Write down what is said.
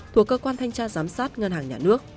thuộc cơ quan thanh tra giám sát ngân hàng nhà nước